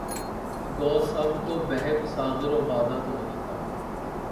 گو سب کو بہم ساغر و بادہ تو نہیں تھا